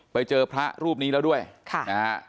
ไปเจอพระรูปนี้แล้วด้วยค่ะนะฮะ